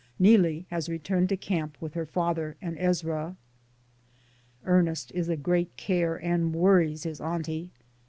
Neelie has returned to camp with her father and Ezra. Ernest is a great care and worries his auntie.